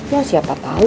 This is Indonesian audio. ya siapa tahu